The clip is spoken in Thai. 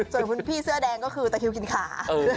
ส่วนคุณพี่เสื้อแดงก็คือตะคิวกินขา